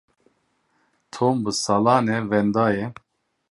Tom bi salan e wenda ye.